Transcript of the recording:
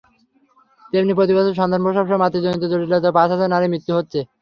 তেমনি প্রতিবছর সন্তান প্রসবসহ মাতৃত্বজনিত জটিলতায় পাঁচ হাজার নারীর মৃত্যু হচ্ছে।